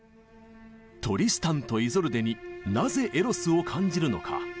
「トリスタンとイゾルデ」になぜエロスを感じるのか。